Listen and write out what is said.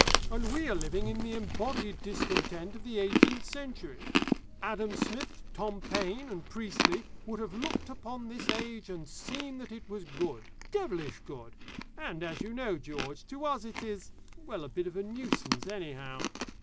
And we are living in the embodied discontent of the eighteenth century. Adam Smith, Tom Paine, and Priestley would have looked upon this age and seen that it was good devilish good; and as you know, George, to us it is well, a bit of a nuisance anyhow.